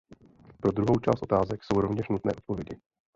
Pro druhou část otázek jsou rovněž nutné odpovědi.